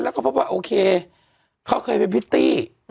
แล้วก็พบว่าโอเคเขาเคยเป็นพริตตี้